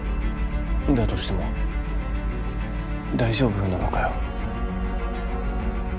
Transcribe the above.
だとしても大丈夫なのかよ？